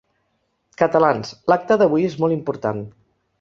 Catalans, l’acte d’avui és molt important.